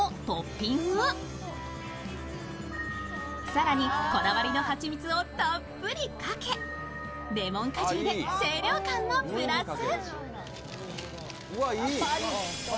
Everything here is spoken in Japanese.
更に、こだわりのはちみつをたっぷりかけ、レモン果汁で清涼感もプラス。